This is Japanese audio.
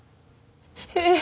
えっ？